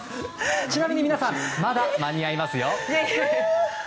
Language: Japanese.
ちなみに皆さんまだ間に合いますよ！